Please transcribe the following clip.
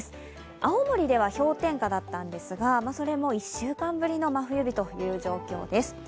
青森では氷点下だったんですがそれも１週間ぶりの真冬日という状況です。